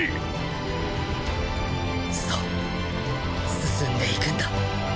進んでいくんだ。